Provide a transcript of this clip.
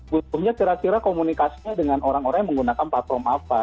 butuhnya kira kira komunikasinya dengan orang orang yang menggunakan platform apa